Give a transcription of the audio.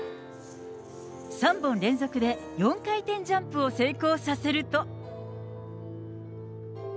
３本連続で４回転ジャンプを成功させると。